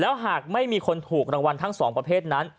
หากไม่มีคนถูกรางวัลทั้งสองประเภทนั้น